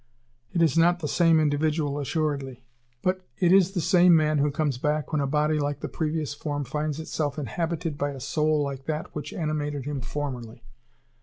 It is not the same individual assuredly, but it is the same man who comes back when a body like the previous form finds itself inhabited by a soul like that which animated him formerly.